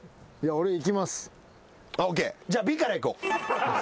ＯＫじゃあＢからいこう。